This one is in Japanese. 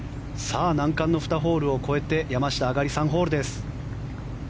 難関の２ホールを越えて山下、上がり３ホールです。